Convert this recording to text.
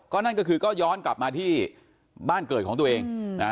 นั่นก็คือก็ย้อนกลับมาที่บ้านเกิดของตัวเองนะฮะ